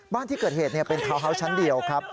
บ้านที่เกิดเหตุเป็นทาวน์ฮาวส์ชั้นเดียวครับ